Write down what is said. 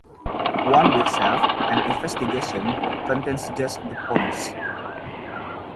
"One Big Self: An Investigation" contains just the poems.